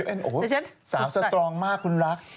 บ๊วยเฮ้ยสาวสตรองมากคุณรัก